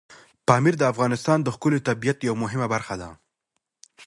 پامیر د افغانستان د ښکلي طبیعت یوه مهمه برخه ده.